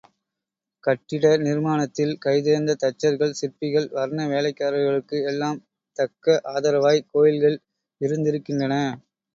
கட்டிட நிர்மாணத்தில் கைதேர்ந்த தச்சர்கள், சிற்பிகள், வர்ண வேலைக்காரர்களுக்கு எல்லாம் தக்க ஆதரவாய் கோயில்கள் இருந்திருக்கின்றன.